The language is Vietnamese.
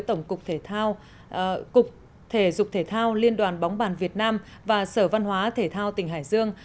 tổng cục thể dục thể thao liên đoàn bóng bàn việt nam và sở văn hóa thể thao tỉnh hải dương